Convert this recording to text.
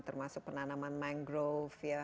termasuk penanaman mangrove ya